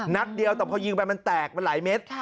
นัดเดียวแต่พอยิงไปมันแตกมันหลายเม็ด